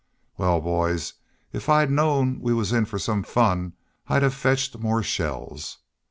"Wal, boys, if I'd knowed we was in fer some fun I'd hev fetched more shells.